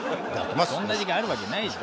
そんな時間あるわけないでしょ？